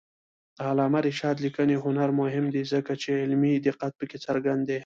د علامه رشاد لیکنی هنر مهم دی ځکه چې علمي دقت پکې څرګند دی.